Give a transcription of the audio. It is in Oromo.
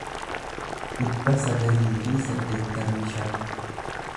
dhibba sagalii fi saddeettamii shan